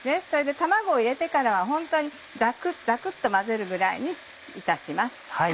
卵を入れてからは本当にザクザクと混ぜるぐらいにいたします。